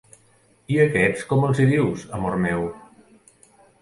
I a aquests com els hi dius, amor meu?